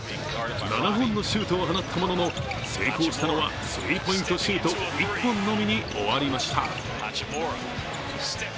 ７本のシュートを放ったものの、成功したのはスリーポイントシュート１本のみに終わりました。